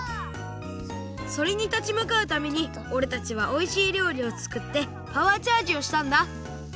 それにたちむかうためにおれたちはおいしいりょうりをつくってパワーチャージをしたんだ！